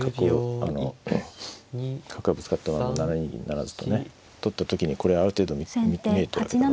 あの角がぶつかって７二銀不成とね取った時にこれある程度見えてはいるから